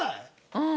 うん。